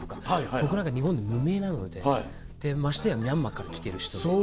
僕なんか日本で無名なのでましてやミャンマーから来てる人で。